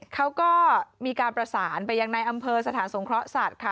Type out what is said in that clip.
เขาก็มีการประสานไปยังในอำเภอสถานสงเคราะห์สัตว์ค่ะ